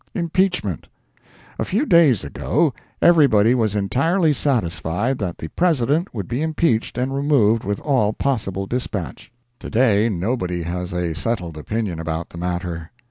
IMPEACHMENT. A few days ago, everybody was entirely satisfied that the President would be impeached and removed with all possible dispatch. To day nobody has a settled opinion about the matter.